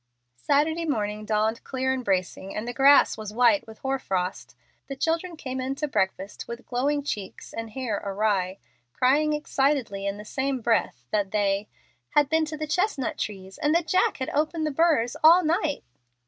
Saturday morning dawned clear and bracing, and the grass was white with hoar frost. The children came in to breakfast with glowing cheeks and hair awry, crying excitedly in the same breath that they "had been to the chestnut trees and that Jack had opened the burrs all night."